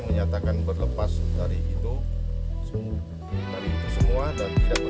menyatakan berlepas dari itu semua dan tidak bertanggung jawab mengenai postingan yang